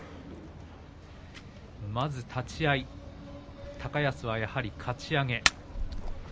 まず立ち合い、高安はやはりかち上げ。